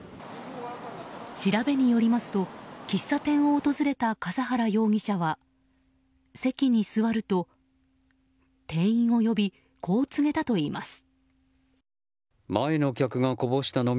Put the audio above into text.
調べによりますと喫茶店を訪れた笠原容疑者は席に座ると、店員を呼びこう告げたといいます。